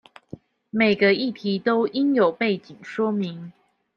每個議題都應有背景說明